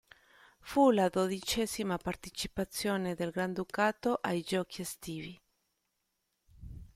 Fu la dodicesima partecipazione del Granducato ai Giochi estivi.